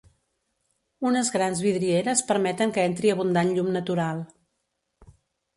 Unes grans vidrieres permeten que entri abundant llum natural.